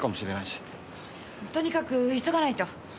とにかく急がないと！